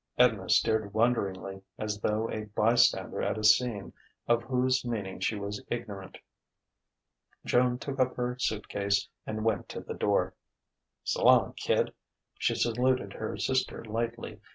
Edna stared wonderingly, as though a bystander at a scene of whose meaning she was ignorant. Joan took up her suit case and went to the door. "S'long, kid," she saluted her sister lightly.